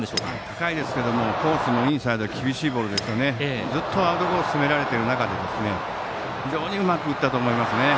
高いですけどもコースもインサイドへ厳しいボールでずっとアウトコースを攻められている中で非常にうまく打ったと思います。